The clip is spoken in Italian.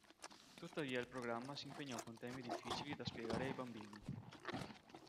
Tuttavia il programma si impegnò con temi difficili da spiegare ai bambini.